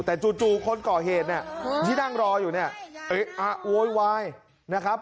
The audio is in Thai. แต่จู่คนก่อเหตุที่นั่งรออยู่เนี่ยโว้ยวาย